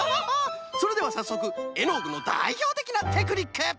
それではさっそくエノーグのだいひょうてきなテクニック！